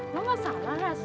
lo gak salah ras